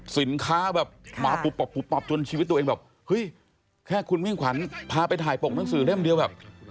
แบบหมาปุ๊บปับปุ๊บปับจนชีวิตตัวเองแบบเฮ้ยแค่คุณมิ่งขวัญพาไปถ่ายปกหนังสือเล่มเดียวแบบ